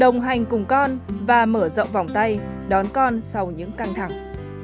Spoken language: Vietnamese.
đồng hành cùng con và mở rộng vòng tay đón con sau những căng thẳng